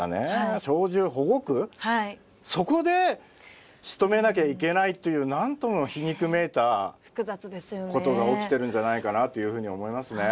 鳥獣保護区そこでしとめなきゃいけないというなんとも皮肉めいたことが起きてるんじゃないかなというふうに思いますね。